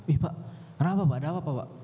ih pak kenapa pak ada apa pak